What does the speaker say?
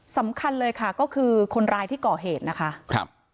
สำคัญเลยค่ะก็คือคนร้ายที่ก่อเหตุนะคะครับ